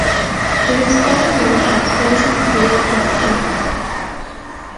It is also known for expensive real estate.